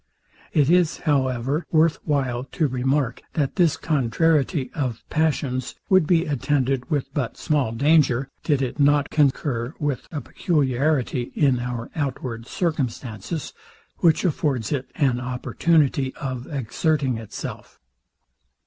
It is however worth while to remark, that this contrariety of passions would be attended with but small danger, did it not concur with a peculiarity in our outward circumstances, which affords it an opportunity of exerting itself.